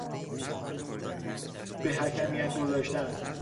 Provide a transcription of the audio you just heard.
به حکمیت گذاشتن